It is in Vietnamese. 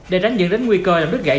để đánh dựng đến nguy cơ làm đứt gãy